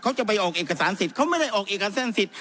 เขาจะไปออกเอกสารสิทธิ์เขาไม่ได้ออกเอกสารเส้นสิทธิ